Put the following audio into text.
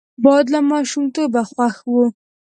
باد له ماشومتوبه خوښ وو